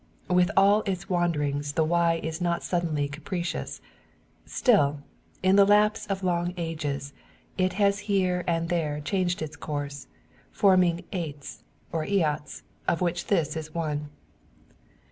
With all its wanderings the Wye is not suddenly capricious; still, in the lapse of long ages it has here and there changed its course, forming aits, or eyots, of which this is one.